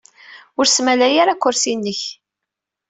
Ur smalay ara akersi-nnek.